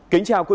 chào các bạn